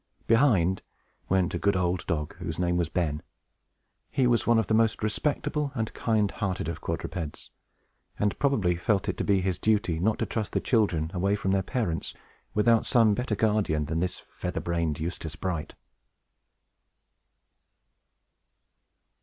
Behind went a good old dog, whose name was Ben. He was one of the most respectable and kind hearted of quadrupeds, and probably felt it to be his duty not to trust the children away from their parents without some better guardian than this feather brained Eustace Bright.